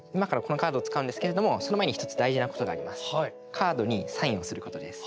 カードにサインをすることです。